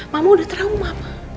mama udah trauma